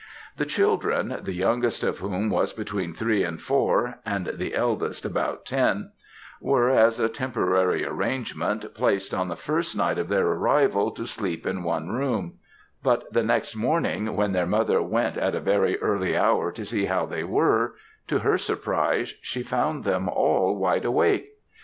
"The children, the youngest of whom was between three and four, and the eldest about ten, were, as a temporary arrangement, placed on the first night of their arrival to sleep in one room; but the next morning, when their mother went at a very early hour to see how they were, to her surprise, she found them all wide awake.